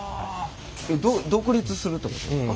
独立するってことですか？